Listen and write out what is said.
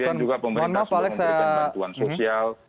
kemudian juga pemerintah sudah memperkenankan tuan sosial